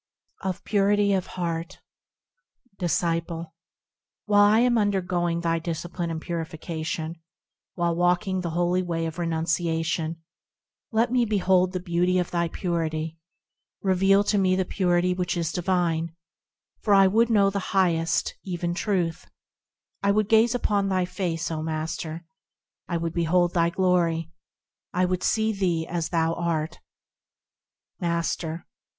5. Of Purity of Heart Disciple. While I am undergoing thy discipline and purification, While walking the holy way of renunciation, Let me behold the beauty of thy Purity ; Reveal to me the Purity which is divine ; For I would know the Highest, even Truth : I would gaze upon thy face, O Master ! I would behold thy glory ; I would see thee as thou art. Master.